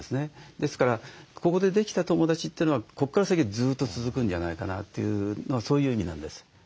ですからここでできた友だちというのはここから先ずっと続くんじゃないかなというのはそういう意味なんです。